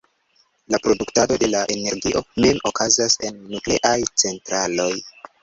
La produktado de la energio mem okazas en nukleaj centraloj.